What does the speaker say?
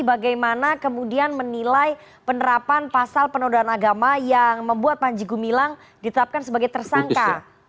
bagaimana kemudian menilai penerapan pasal penodaan agama yang membuat panji gumilang ditetapkan sebagai tersangka